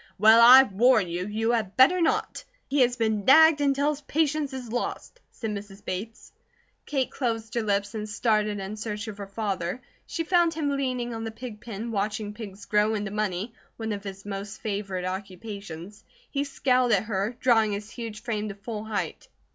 "Well, I warn you, you had better not! He has been nagged until his patience is lost," said Mrs. Bates. Kate closed her lips and started in search of her father. She found him leaning on the pig pen watching pigs grow into money, one of his most favoured occupations. He scowled at her, drawing his huge frame to full height.